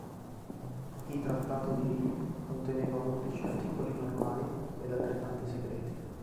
I trattato di Ried conteneva undici articoli normali ed altrettanti segreti.